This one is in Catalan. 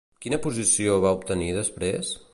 Quina posició va obtenir després?